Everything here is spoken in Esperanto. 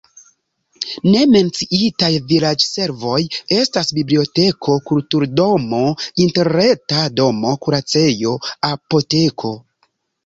Ne menciitaj vilaĝservoj estas biblioteko, kulturdomo, interreta domo, kuracejo, apoteko.